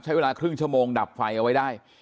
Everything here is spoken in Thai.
ใช้เวลาครึ่งชั่วโมงดับไฟเอาไว้ได้